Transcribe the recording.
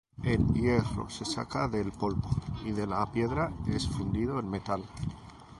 El hierro se saca del polvo, Y de la piedra es fundido el metal.